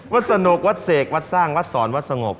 สนุกวัดเสกวัดสร้างวัดสอนวัดสงบ